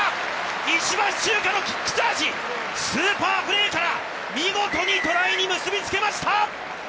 石橋チューカのキックチャージ、スーパープレーから見事にトライに結びつけました！